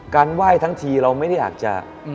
ไหว้ทั้งทีเราไม่ได้อาจจะ